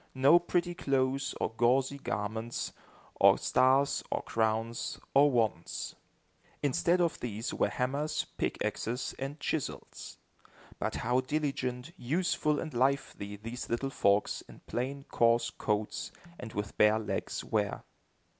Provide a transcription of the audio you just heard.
No pretty clothes or gauzy garments, or stars, or crowns, or wands! Instead of these were hammers, pickaxes, and chisels. But how diligent, useful and lively these little folks, in plain, coarse coats and with bare legs, were!